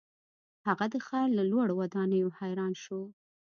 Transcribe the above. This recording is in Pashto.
هغه د ښار له لوړو ودانیو حیران شو.